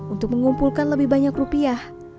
untuk mengumpulkan lebih banyak rupiah